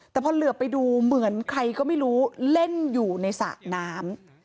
แต่พอเหลือไปดูเหมือนใครก็ไม่รู้เล่นอยู่ในสระน้ำ